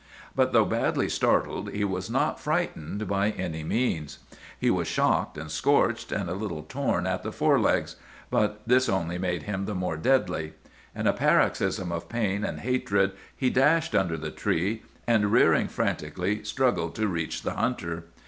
"But though badly startled, he was not frightened by any means. He was shocked and scorched, and a little torn in the fore legs; but this only made him the more deadly. In a paroxysm of pain and hatred he dashed under the tree, and rearing frantically struggled to reach the hunter.